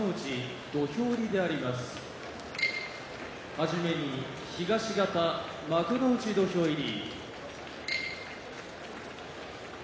はじめに東方幕内土俵入り。